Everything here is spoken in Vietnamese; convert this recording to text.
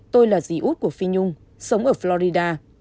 tôi là dì út của phi nhung sống ở florida